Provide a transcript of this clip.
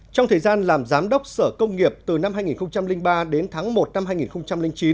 trong thời gian làm giám đốc sở công nghiệp từ năm hai nghìn ba đến tháng một năm hai nghìn chín